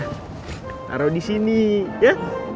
taruh disini ya